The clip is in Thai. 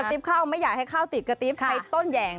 ติ๊บข้าวไม่อยากให้ข้าวติดกระติ๊บใครต้นแหย่ง